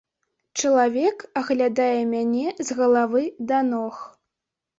Чалавек аглядае мяне з галавы да ног.